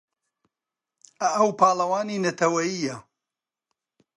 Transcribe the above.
ئەو پاڵەوانی نەتەوەیییە.